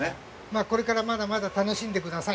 まあこれからまだまだ楽しんでください。